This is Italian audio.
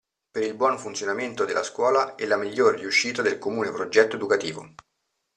Per il buon funzionamento della scuola e la miglior riuscita del comune progetto educativo.